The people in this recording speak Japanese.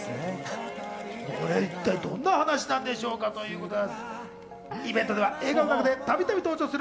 これ一体どんな話なんでしょうか？ということでございます。